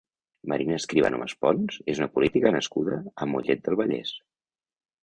Marina Escribano Maspons és una política nascuda a Mollet del Vallès.